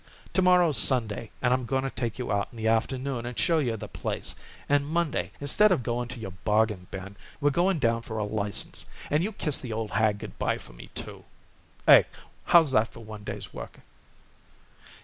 To morrow's Sunday and I'm going to take you out in the afternoon and show you the place, and Monday, instead of going to your bargain bin, we're going down for a license, and you kiss the old hag good by for me, too. Eh, how's that for one day's work?"